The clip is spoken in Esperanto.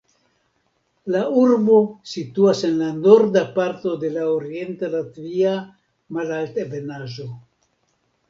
La urbo situas en norda parto de la Orienta Latvia malaltebenaĵo.